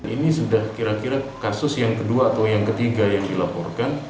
ini sudah kira kira kasus yang kedua atau yang ketiga yang dilaporkan